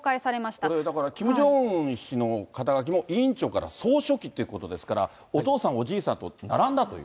これだから、キム・ジョンウン氏の肩書きも委員長から総書記ということですから、お父さん、おじいさんと並んだという？